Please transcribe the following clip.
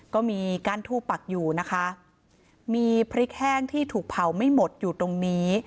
ก็มีก้านทูบปักอยู่นะคะมีพริกแห้งที่ถูกเผาไม่หมดอยู่ตรงนี้